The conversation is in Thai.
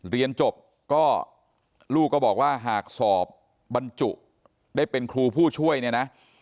เรียนจบก็ลูกก็บอกว่าหากสอบบรรจุได้เป็นครูผู้ช่วยเนี่ยนะ